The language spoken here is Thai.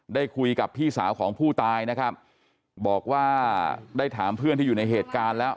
ได้คุยกับพี่สาวของผู้ตายนะครับบอกว่าได้ถามเพื่อนที่อยู่ในเหตุการณ์แล้ว